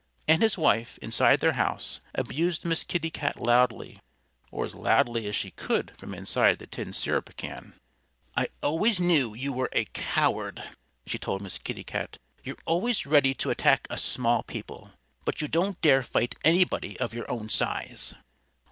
And his wife, inside their house, abused Miss Kitty Cat loudly or as loudly as she could from inside the tin syrup can. "I always knew you were a coward," she told Miss Kitty. "You're always ready to attack us small people. But you don't dare fight anybody of your own size."